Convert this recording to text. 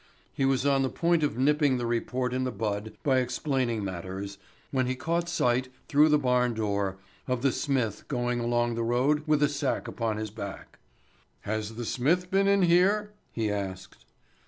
He was on the point of nipping the report in the bud by explaining matters, when he caught sight, through the barn door, of the smith going along the road with a sack upon his back. "Has the smith been in here?" he asked.